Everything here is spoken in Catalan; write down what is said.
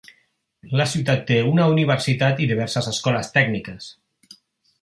La ciutat té una universitat i diverses escoles tècniques.